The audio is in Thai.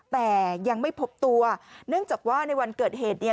แต่ยังไม่พบตัวเนื่องจากว่าในวันเกิดเหตุเนี่ย